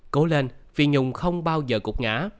cố lên phi nhung không bao giờ cục ngã